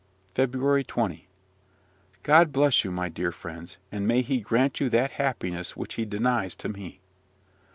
FEBRUARY 20. God bless you, my dear friends, and may he grant you that happiness which he denies to me!